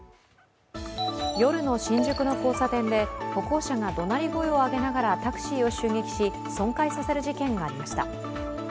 夜の新宿の交差点で、歩行者がどなり声を上げながらタクシーを襲撃し、損壊させる事件がありました。